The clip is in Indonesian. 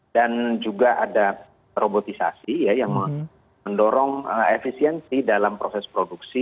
dan juga ada robotisasi yang mendorong efisiensi dalam proses produksi